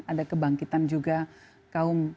ada kebangkitan juga kaum